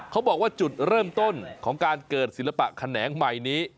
เขาบอกว่าจุดเริ่มต้นของการเกิดศิลปะแขนงใหม่นี้